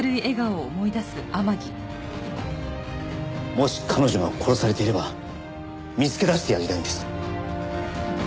もし彼女が殺されていれば見つけ出してやりたいんです。